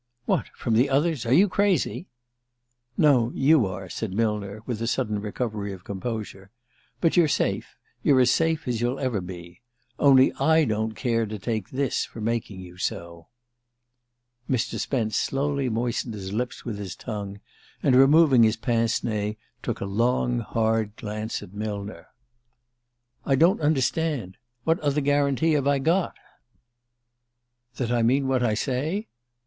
"What from the others? Are you crazy?" "No, you are," said Millner with a sudden recovery of composure. "But you're safe you're as safe as you'll ever be. Only I don't care to take this for making you so." Mr. Spence slowly moistened his lips with his tongue, and removing his pince nez, took a long hard look at Millner. "I don't understand. What other guarantee have I got?" "That I mean what I say?"